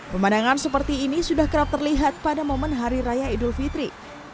pemandangan seperti ini sudah kerap terlihat pada momen hari raya idul fitri